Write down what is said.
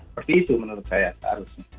seperti itu menurut saya seharusnya